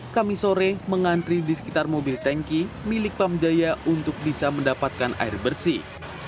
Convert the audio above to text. kami sore mengantri di sekitar mobil tanki milik pamjaya untuk bisa mendapatkan air bersih